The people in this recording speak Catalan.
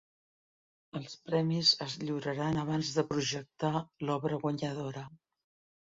Els premis es lliuraran abans de projectar l'obra guanyadora.